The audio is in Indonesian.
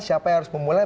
siapa yang harus memulai